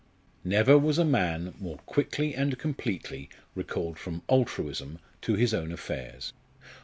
Never was a man more quickly and completely recalled from altruism to his own affairs.